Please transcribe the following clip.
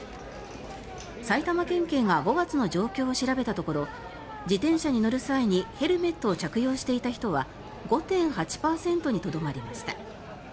埼玉県警が５月の状況を調べたところ自転車に乗る際にヘルメットを着用していた人は５．８％にとどまりました。